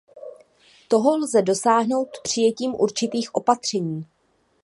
Toho lze dosáhnout přijetím určitých opatření.